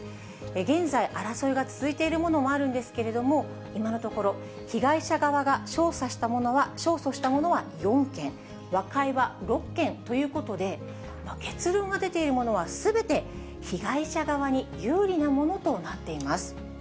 現在、争いが続いているものもあるんですけれども、今のところ、被害者側が勝訴したものは４件、和解は６件ということで、結論が出ているものはすべて被害者側に有利なものとなっています。